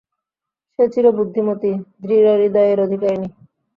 সে ছিল বুদ্ধিমতী, দৃঢ় হৃদয়ের অধিকারিণী।